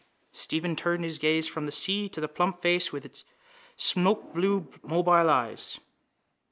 Stephen turned his gaze from the sea and to the plump face with its smokeblue mobile eyes.